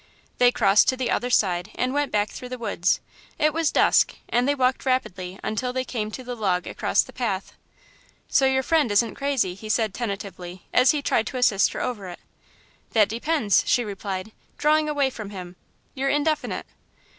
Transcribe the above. They crossed to the other side and went back through the woods. It was dusk, and they walked rapidly until they came to the log across the path. "So your friend isn't crazy," he said tentatively, as he tried to assist her over it. "That depends," she replied, drawing away from him; "you're indefinite."